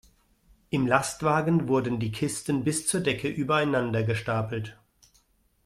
Im Lastwagen wurden die Kisten bis zur Decke übereinander gestapelt.